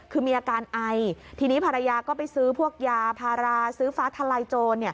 คือมีอาการไอทีนี้ภรรยาก็ไปซื้อพวกยาพาราซื้อฟ้าทลายโจร